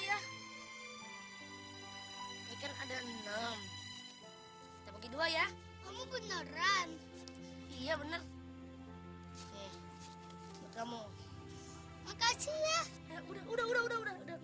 hai ikan ada enam lagi dua ya kamu beneran iya bener kamu makasih ya udah udah udah udah udah